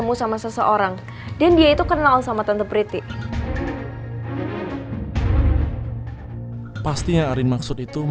ban bewong sih jawab dong pertanyaan arin